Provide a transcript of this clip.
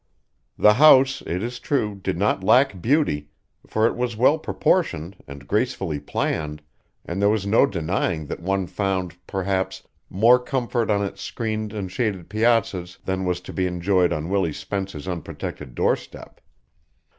The house, it is true, did not lack beauty, for it was well proportioned and gracefully planned, and there was no denying that one found, perhaps, more comfort on its screened and shaded piazzas than was to be enjoyed on Willie Spence's unprotected doorstep.